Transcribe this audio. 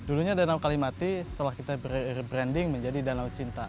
dulunya danau kalimati setelah kita berbranding menjadi danau cinta